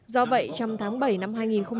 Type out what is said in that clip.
do vậy trong tháng bảy năm hai nghìn một mươi bảy